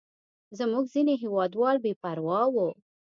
زموږ ځینې هېوادوال بې پروا وو.